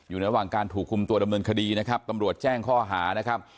อยู่ระหว่างการถูกคุมตัวดำเนินคดีนะครับตำรวจแจ้งข้อหานะครับ